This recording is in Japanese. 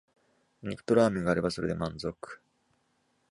肉とラーメンがあればそれで満足